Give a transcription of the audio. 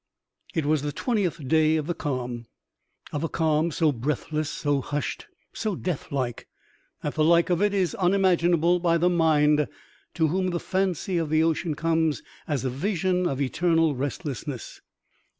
It was the twentieth day of the calm — of a calm so breathless, so hushed, so death like, that the like of it is unimaginable by the mind to whom the fancy of the ocean comes as a*vision of eternal restlessness.